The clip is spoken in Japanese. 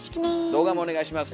動画もお願いします。